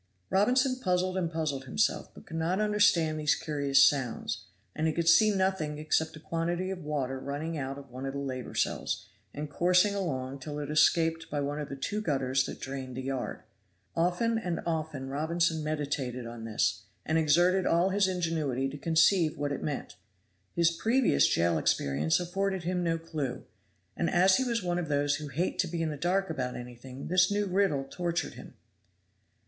Robinson puzzled and puzzled himself, but could not understand these curious sounds, and he could see nothing except a quantity of water running out of one of the labor cells, and coursing along till it escaped by one of the two gutters that drained the yard. Often and often Robinson meditated on this, and exerted all his ingenuity to conceive what it meant. His previous jail experience afforded him no clew, and as he was one of those who hate to be in the dark about anything this new riddle tortured him.